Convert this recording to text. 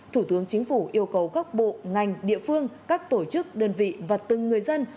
thủ tướng chính phủ yêu cầu các bộ ngành địa phương các tổ chức đơn vị và từng người dân